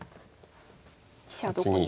飛車どこに。